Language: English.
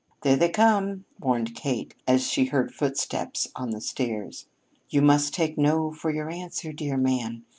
"There they come," warned Kate as she heard footsteps on the stairs. "You must take 'no' for your answer, dear man.